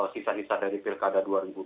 sisa sisa dari pilkada dua ribu tujuh belas